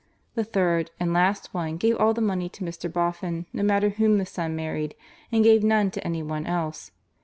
The third and last one gave all the money to Mr. Boffin, no matter whom the son married, and gave none to any one else.